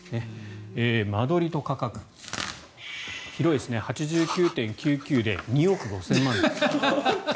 間取りと価格広いですね、８９．９９で２億５０００万円です。